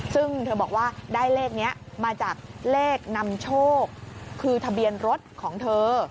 ซึ่งเธอบอกว่าได้เลขนี้มาจากเลขนำโชคคือทะเบียนรถของเธอ